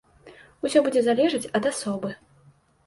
Усё будзе залежаць ад асобы.